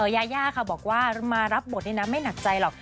ยาย่าค่ะบอกว่ามารับบทนี่นะไม่หนักใจหรอก